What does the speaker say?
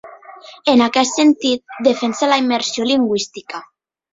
En aquest sentit, defensa la immersió lingüística.